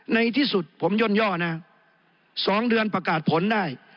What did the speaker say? ในที่สุดผมย่นย่อนะ๒เดือนประกาศผลได้